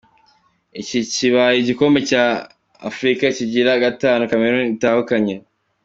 Iki kibaye igikombe ca Afrika kigira gatanu Cameroun itahukanye.